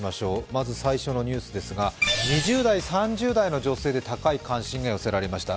まず最初のニュースですが、２０代、３０代の女性で高い関心が寄せられました。